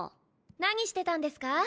何してたんですか？